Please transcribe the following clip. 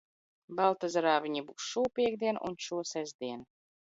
Baltezerā viņi būs šopiektdien un šosestdien.